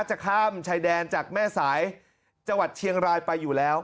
จะข้ามชายแดนจากแม่สายจังหวัดเชียงรายไปอยู่แล้ว